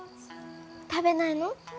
食べないの？